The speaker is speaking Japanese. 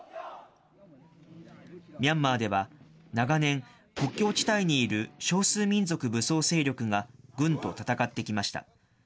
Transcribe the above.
ミャンマーでは、長年、国境地帯にいる少数民族武装勢力が軍と戦ってきました。